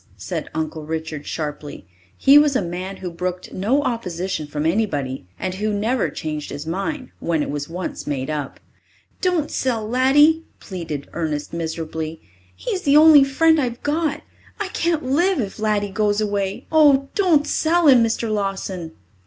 said Uncle Richard sharply. He was a man who brooked no opposition from anybody, and who never changed his mind when it was once made up. "Don't sell Laddie!" pleaded Ernest miserably. "He is the only friend I've got. I can't live if Laddie goes away. Oh, don't sell him, Mr. Lawson!"